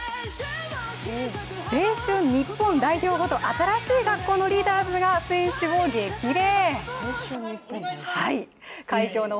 青春日本代表こと新しい学校のリーダーズが選手を激励。